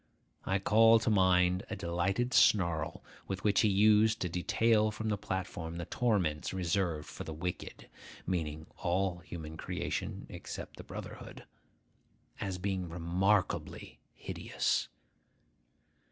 I call to mind a delighted snarl with which he used to detail from the platform the torments reserved for the wicked (meaning all human creation except the brotherhood), as being remarkably hideous.